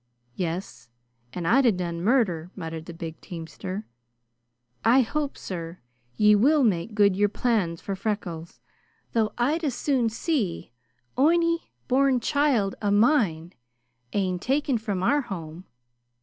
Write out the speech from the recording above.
"Yes, and I'd 'a' done murder," muttered the big teamster. "I hope, sir, ye will make good your plans for Freckles, though I'd as soon see ony born child o' my ain taken from our home.